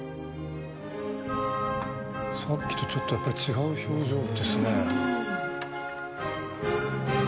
さっきとちょっとやっぱ違う表情ですね。